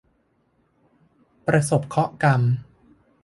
ประสบเคราะห์กรรม